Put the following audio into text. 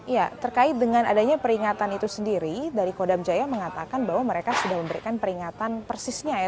ya terkait dengan adanya peringatan itu sendiri dari kodam jaya mengatakan bahwa mereka sudah memberikan peringatan persisnya ya